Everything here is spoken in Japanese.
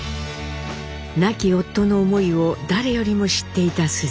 亡き夫の思いを誰よりも知っていた須壽。